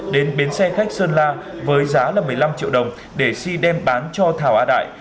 đến bến xe khách sơn la với giá là một mươi năm triệu đồng để si đem bán cho thảo a đại